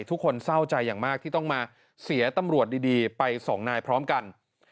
ทุกคนเศร้าใจอย่างมากที่ต้องมาเสียตำรวจดีไปสองนายพร้อมกัน